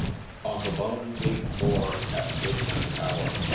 ON the lone bleak moor, At the midnight hour